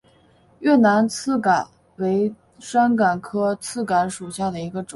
越南刺榄为山榄科刺榄属下的一个种。